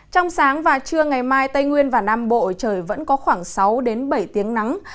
trong sáng và trưa ngày mai tây nguyên và nam bộ trời vẫn có khoảng sáu đến bảy tiếng nắng